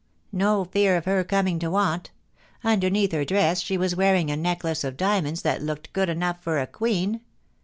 No fear of he: coming to want Underneath her dress she was weariie a necklace of diamonds that looked good enough for a queen.